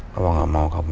bapak gak mau kamu